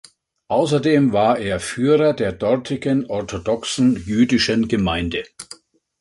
Außerdem war er Führer der dortigen orthodoxen jüdischen Gemeinde.